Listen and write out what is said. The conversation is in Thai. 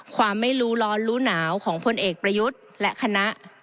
ความไม่รู้ร้อนรู้หนาวของพลเอกประยุทธ์และคณะ